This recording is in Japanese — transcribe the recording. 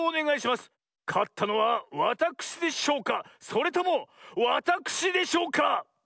かったのはわたくしでしょうかそれともわたくしでしょうか。